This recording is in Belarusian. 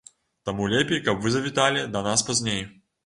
Таму лепей каб вы завіталі да нас пазней.